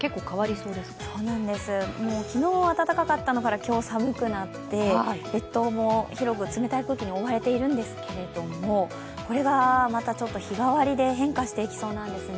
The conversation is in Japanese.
そうなんです、昨日暖かかったのから今日、寒くなって列島も広く冷たい空気に覆われているんですけどこれはまた日替わりで変化していきそうなんですね。